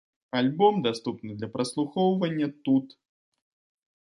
Альбом даступны для праслухоўвання тут.